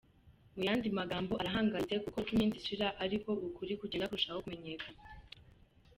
Mu yandi magambo arahangayitse kuko uko iminsi ishira ariko ukuri kugenda kurushaho kumenyekana.